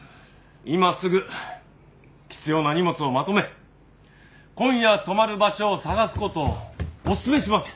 今すぐ必要な荷物をまとめ今夜泊まる場所を探す事をおすすめします。